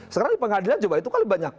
sekarang di pengadilan juga itu kan banyak